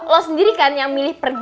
lo sendiri kan yang milih aku sama naomi